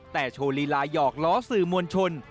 แต่โชว์ลีลายอกล้อสื่อมวลชน